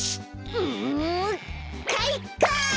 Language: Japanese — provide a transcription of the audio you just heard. んかいか！